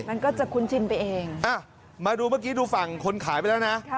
มันก็จะคุ้นชินไปเองอ่ะมาดูเมื่อกี้ดูฝั่งคนขายไปแล้วนะ